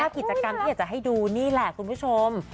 กิจกรรมที่อยากจะให้ดูนี่แหละคุณผู้ชม